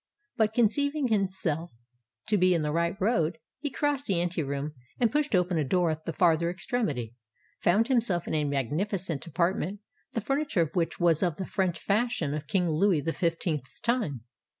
But, conceiving himself to be in the right road, he crossed the ante room, and, pushing open a door at the farther extremity, found himself in a magnificent apartment, the furniture of which was of the French fashion of King Louis the Fifteenth's time.